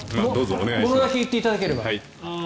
ものだけ言っていただければ。